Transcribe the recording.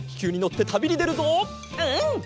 うん！